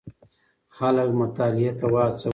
خلک مطالعې ته وهڅوئ.